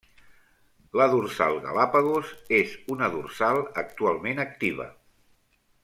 La dorsal Galápagos és una dorsal actualment activa.